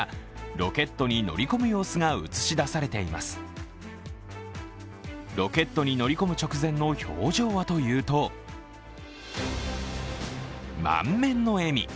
ロケットに乗り込む直前の表情はというと、満面の笑み。